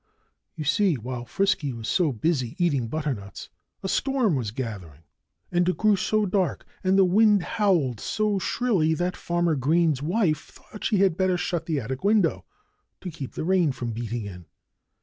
You see, while Frisky was so busy eating butternuts, a storm was gathering. And it grew so dark, and the wind howled so shrilly, that Farmer Green's wife thought she had better shut the attic window, to keep the rain from beating in.